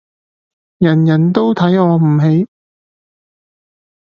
人人都睇我唔起